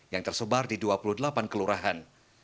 yang tersebar di dua puluh delapan kelurahan